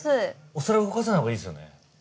お皿動かさないほうがいいですよね？